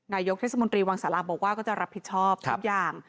นายกเทศมนตรีวังสาราบอกว่าก็จะรับผิดชอบทุกอย่าง